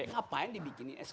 ngapain dibikinin skb